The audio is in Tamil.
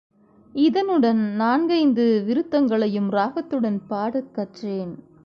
இதனுடன் நான்கைந்து விருத்தங்களையும் ராகத்துடன் பாடக் கற்றேன்.